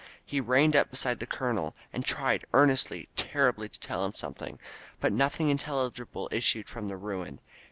He reined up beside the colonel, and tried earnestly, terribly, to tell him something; but nothing intelligible issued from the ruin.